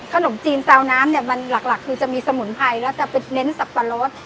ขนมจีนซาวน้ำหลักคือจะมีสมุนไพรแล้วแต่เป็นเน้นสับปะรส